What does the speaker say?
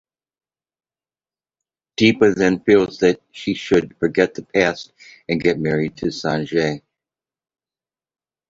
Deepa then feels that she should forget the past and get married to Sanjay.